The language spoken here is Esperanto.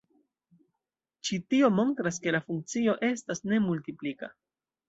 Ĉi tio montras ke la funkcio estas ne multiplika.